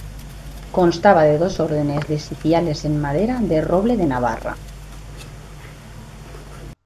Constaba de dos órdenes de sitiales en madera de roble de Navarra.